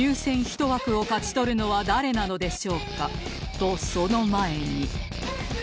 とその前に